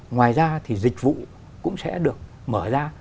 ngoài ra thì dịch vụ cũng sẽ được mở ra